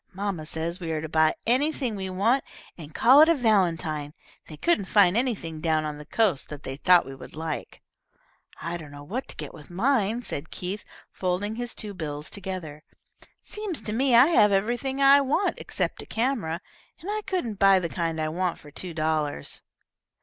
"Mamma says we are to buy anything we want, and call it a valentine. They couldn't find anything down on the coast that they thought we would like." "I don't know what to get with mine," said Keith, folding his two bills together. "Seems to me I have everything I want except a camera, and I couldn't buy the kind I want for two dollars."